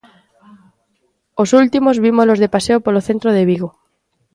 Os últimos vímolos de paseo polo centro de Vigo.